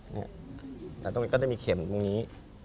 แต่ตรงนี้ก็จะมีเข็มตรงนี้